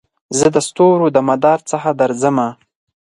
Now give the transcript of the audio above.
زه دستورو دمدار څخه درځمه